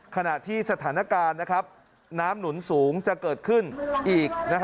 ขณะที่สถานการณ์น้ำหนุนสูงจะเกิดขึ้นอีก